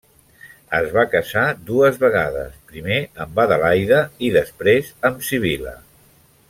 Es va casar dues vegades, primer amb Adelaida i després amb Sibil·la.